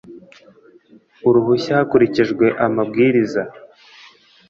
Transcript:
uruhushya hakurikijwe amabwiriza n